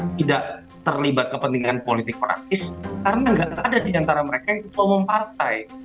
tidak terlibat kepentingan politik praktis karena nggak ada di antara mereka yang ketua umum partai